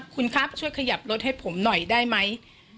คุณครับช่วยขยับรถให้ผมหน่อยได้ไหม